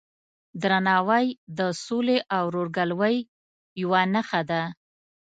درناوی د سولې او ورورګلوۍ یوه نښه ده.